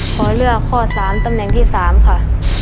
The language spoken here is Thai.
ขอเลือกข้อ๓ตำแหน่งที่๓ค่ะ